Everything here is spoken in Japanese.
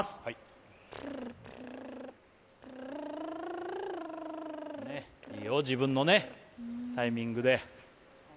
いいよ、自分のタイミングで。